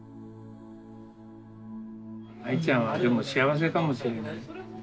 アイちゃんはでも幸せかもしれない。